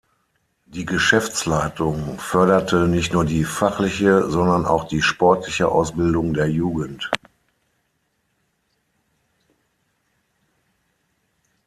Die Geschäftsleitung förderte nicht nur die fachliche, sondern auch die sportliche Ausbildung der Jugend.